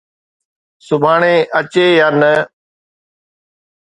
سڀاڻي اچي يا نه